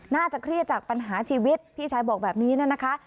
น่าจะเครียดจากปัญหาชีวิตพี่ชายบอกแบบนี้นะคะ